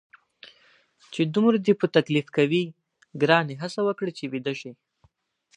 چې دومره دې په تکلیف کوي، ګرانې هڅه وکړه چې ویده شې.